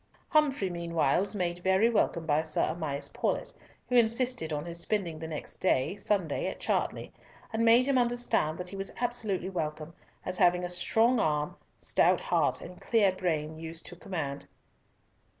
Humfrey meantime was made very welcome by Sir Amias Paulett, who insisted on his spending the next day, Sunday, at Chartley, and made him understand that he was absolutely welcome, as having a strong arm, stout heart, and clear brain used to command.